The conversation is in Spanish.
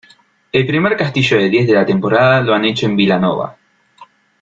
El primer castillo de diez de la temporada lo han hecho en Vilanova.